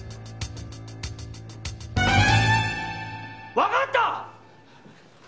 わかった！